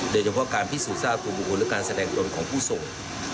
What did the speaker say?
โดยเฉพาะการพิสูจนทราบตัวบุคคลหรือการแสดงตนของผู้ส่ง